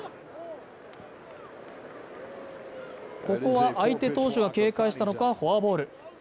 ここは相手投手が警戒したのかフォアボール